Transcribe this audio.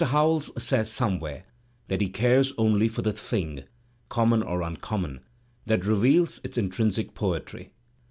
Howells says somewhere that he cares only for the thing, common or uncommon, that reveals its intrinsic poetry.